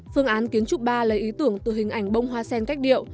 phương án kiến trúc ba lấy ý tưởng từ hình ảnh bông hoa sen cách điệu